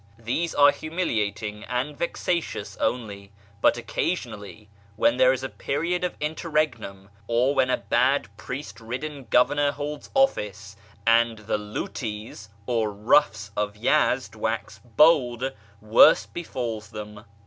These are humiliating and vexatious only; but occasionally, when there is a period of interregnum, or when a bad or priest ridden governor holds office, and the " lutis," or roughs, of Yezd wax bold, worse befalls them.